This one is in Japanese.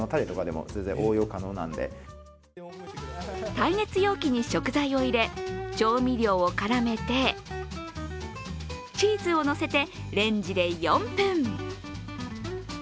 耐熱容器に食材を入れ、調味料を絡めてチーズをのせてレンジで４分。